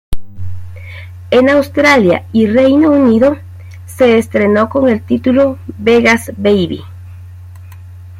En Australia y Reino Unido se estrenó con el título Vegas Baby.